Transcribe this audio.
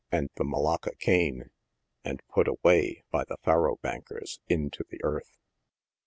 and the Malacca cane, and put away, by the " faro bankers,' 7 into the earth.